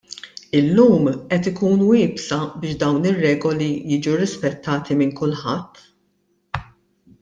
Illum qed ikunu iebsa biex dawn ir-regoli jiġu rispettati minn kulħadd.